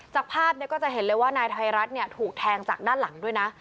จากภาพก็จะเห็นเลยว่านายไทยรัฐถูกแทงจากด้านหลังด้วยนะ